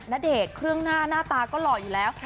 ณเดชน์เครื่องหน้าหน้าตาก็หล่ออยู่แล้ว